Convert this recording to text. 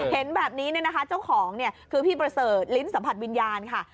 เห็นแบบนี้เนี่ยนะคะเจ้าของเนี่ยคือพี่ประเสริฐลิ้นสัมผัสวิญญาณค่ะ